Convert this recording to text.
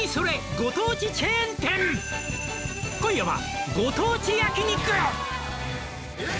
「今夜は」